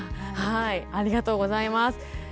ありがとうございます。